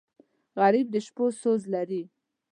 غریب د شپو سوز لري